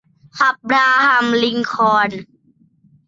อับราฮัม ลิงคอล์น